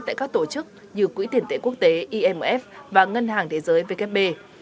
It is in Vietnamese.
tại các tổ chức như quỹ tiền tệ quốc tế imf và ngân hàng thế giới vkp